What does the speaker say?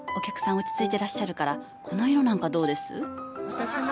落ち着いてらっしゃるからこの色なんかどうです？